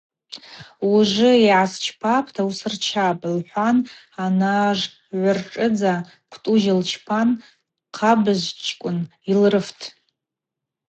Уыжвжвы йгӏасчпапӏта усырчапӏ, – лхӏватӏ анажгӏвыршӏыдза, квтӏужь лчпан Хъабыжьчкӏвын йылрыфтӏ.